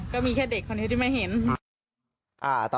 ค่ะก็มีแค่เด็กคนที่ไม่เห็น